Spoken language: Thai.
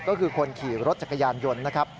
ก็คือคนขี่รถจักรยานยนต์นะครับ